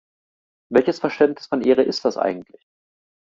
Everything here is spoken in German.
Welches Verständnis von Ehre ist das eigentlich?